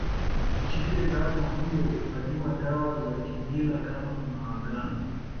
Jike ndama huyo hufanyiwa dawa za kimila kama maagano